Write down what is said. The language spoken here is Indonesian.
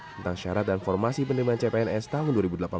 tentang syarat dan formasi penerimaan cpns tahun dua ribu delapan belas